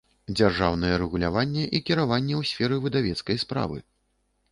ДЗЯРЖАЎНАЕ РЭГУЛЯВАННЕ I КIРАВАННЕ Ў СФЕРЫ ВЫДАВЕЦКАЙ СПРАВЫ